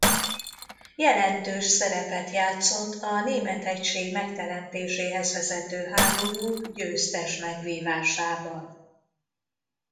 Jelentős szerepet játszott a német egység megteremtéséhez vezető háborúk győztes megvívásában.